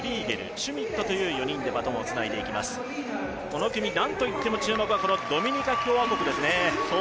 この組、なんといっても注目はこのドミニカ共和国ですね。